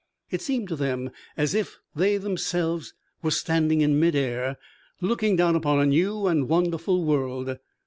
It seemed to them as if they themselves were standing in midair looking down upon a new and wonderful world.